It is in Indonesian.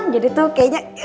jadi tuh kayaknya